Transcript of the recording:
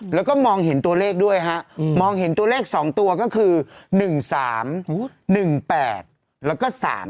แล้วก็มองเห็นตัวเลขด้วยฮะมองเห็นตัวเลข๒ตัวก็คือ๑๓๑๘แล้วก็๓๕